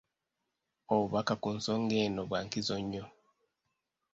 Obubaka ku nsonga eno bwa nkizo nnyo.